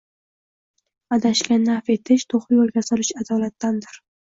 Adashganni avf etish, to‘g‘ri yo‘lga solish adolatdandir